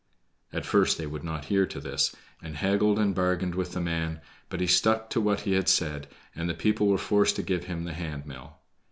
At first they would not hear to this, and haggled and bargained with the man, but he stuck to what he had said, and the people were forced to give him the hand mill.